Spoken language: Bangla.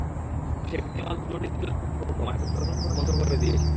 শেখ জামাল ধানমন্ডি ক্লাব কর্তৃপক্ষ মাঠের প্রধান ফটক বন্ধ করে দিয়েছে।